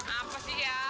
apa sih ya